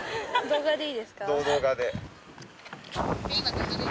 動画で。